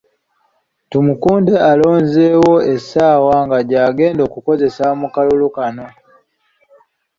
Tumukunde alonzeewo essaawa nga gy'agenda okukozesa mu kalulu kano.